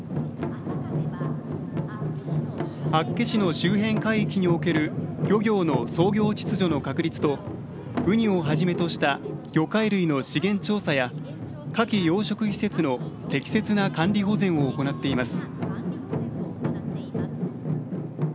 厚岸の周辺海域における漁業の操業秩序の確立とウニをはじめとした魚介類の資源調査やカキ養殖施設の適切な管理保全を行っています。